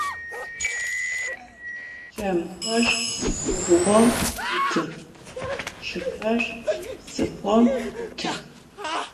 Çemxer gubğom yitıx, şşıxer psıxhom 'utıx.